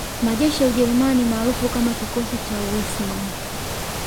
Majeshi ya Ujerumani maarufu kama Kikosi cha Wissmann